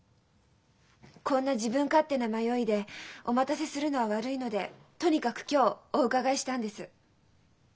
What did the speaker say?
こんな自分勝手な迷いでお待たせするのは悪いのでとにかく今日お伺いしたんです。